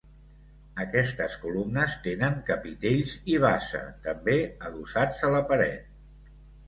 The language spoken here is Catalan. Aquestes columnes tenen capitells i basa, també adossats a la paret.